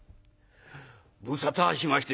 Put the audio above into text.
「無沙汰しまして」。